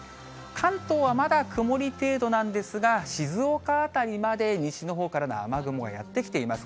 関東はまだ曇り程度なんですが、静岡辺りまで西のほうからの雨雲がやって来ています。